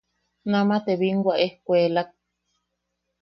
Nama te biinwa ejkuelak.